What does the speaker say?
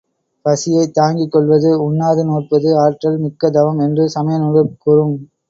பசியைத் தாங்கிக் கொள்வது, உண்ணாது நோற்பது ஆற்றல் மிக்க தவம் என்று சமய நூல்கள் கூறும்.